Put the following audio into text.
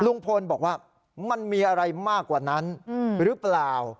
ลุงพลบอกว่ามันมีอะไรมากกว่านั้นหรือเปล่า